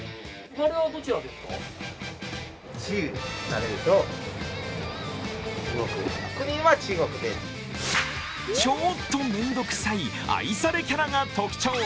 ちょっとめんどくさい愛されキャラが特徴。